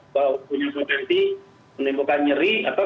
suatu nanti menimbulkan nyeri atau